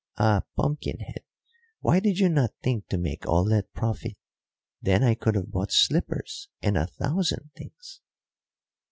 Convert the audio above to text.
Ah, pumpkin head, why did you not think to make all that profit? Then I could have bought slippers and a thousand things."